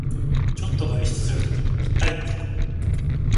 ちょっと外出するときにぴったりの服